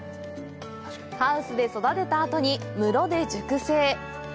ハウスで育てたあとに室で熟成。